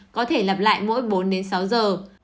có thể lặp lại mỗi bốn sáu giờ